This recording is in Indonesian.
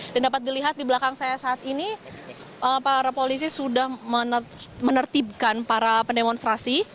dapat dilihat di belakang saya saat ini para polisi sudah menertibkan para pendemonstrasi